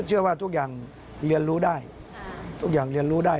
อ๋อผมเชื่อว่าทุกอย่างเรียนรู้ได้ทุกอย่างเรียนรู้ได้